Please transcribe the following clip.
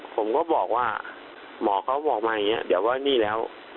ผมก็บอกว่าหมอเขาบอกมาอย่างนี้เดี๋ยวว่านี่แล้ว